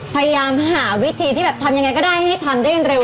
พยายามหาวิธีที่แบบทำยังไงก็ได้ให้ทำได้เร็ว